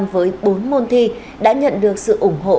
với bốn môn thi đã nhận được sự ủng hộ